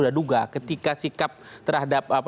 sudah duga ketika sikap terhadap